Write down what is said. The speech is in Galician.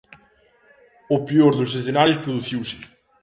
"O peor dos escenarios produciuse".